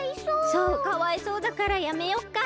そうかわいそうだからやめよっか。